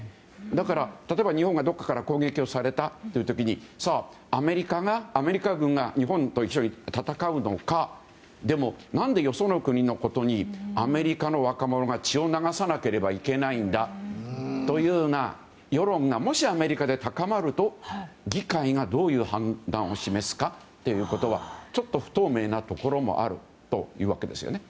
だから、日本がどこかから攻撃されたときにアメリカ軍が日本と一緒に戦うのかでも、何でよその国のことにアメリカの若者が血を流さなければいけないんだという世論がもしアメリカで高まると議会がどういう判断を示すかということはちょっと、不透明なところもあるということですね。